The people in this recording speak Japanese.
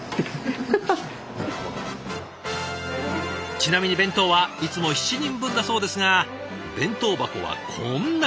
ちなみに弁当はいつも７人分だそうですが弁当箱はこんなに。